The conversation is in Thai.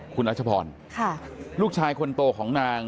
คุณรัชพรลูกชายคนโตของนาง